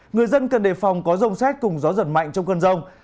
người dân cần đề phòng có rông xét cùng gió giật mạnh trong cơn rông